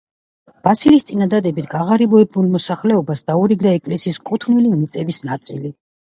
ბასილის წინადადებით გაღარიბებულ მოსახლეობას დაურიგდა ეკლესიის კუთვნილი მიწების ნაწილი.